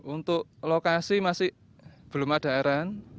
untuk lokasi masih belum ada arahan